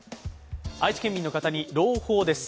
愛知県民の方に朗報です。